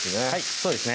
そうですね